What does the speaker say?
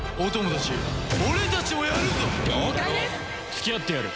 付き合ってやる。